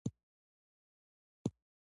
سپورت د بندونو نرم ساتلو یوه وسیله ده.